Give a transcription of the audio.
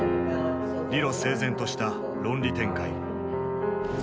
理路整然とした論理展開。